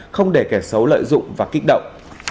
không để kẻ xấu lợi dụng và kích động